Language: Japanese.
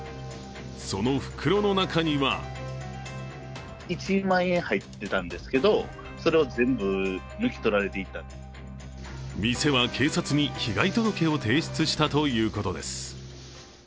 その袋の中には店は警察に被害届を提出したということです。